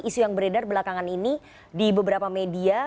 isu yang beredar belakangan ini di beberapa media